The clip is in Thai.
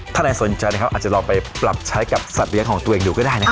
ถ้าใครสนใจนะครับอาจจะลองไปปรับใช้กับสัตว์เลี้ยงของตัวเองดูก็ได้นะครับ